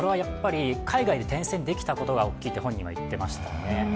海外で転戦できたことが大きいと本人は言っていましたね。